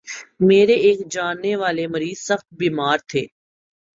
میرے ایک جاننے والے مریض سخت بیمار تھے